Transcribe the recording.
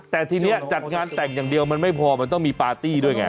แต่ทีนี้จัดงานแต่งอย่างเดียวมันไม่พอมันต้องมีปาร์ตี้ด้วยไง